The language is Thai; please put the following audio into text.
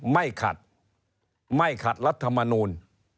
ไม่ขัดไม่ขัดรัฐมนูล